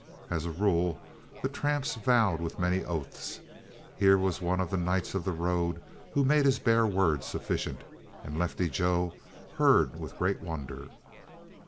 As a rule, the tramps vowed with many oaths; here was one of the nights of the road who made his bare word sufficient. And Lefty Joe heard with great wonder.